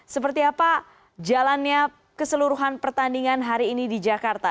seperti apa jalannya keseluruhan pertandingan hari ini di jakarta